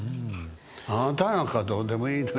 あなたなんかどうでもいいのよ。